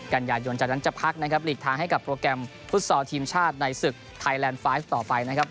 กันยายนจากนั้นจะพักนะครับหลีกทางให้กับโปรแกรมฟุตซอลทีมชาติในศึกไทยแลนด์ไฟล์ต่อไปนะครับ